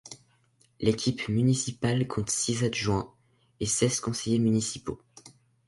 L’équipe municipale compte six adjoints et seize conseillers municipaux.